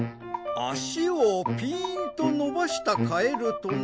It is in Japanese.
あしをぴーんとのばしたカエルとな？